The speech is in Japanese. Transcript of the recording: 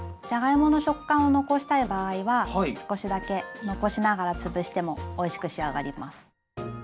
じゃがいもの食感を残したい場合は少しだけ残しながら潰してもおいしく仕上がります。